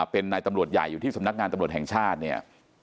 เป็นนายตำรวจใหญ่อยู่ที่สำนักงานตำรวจแห่งชาติเนี่ย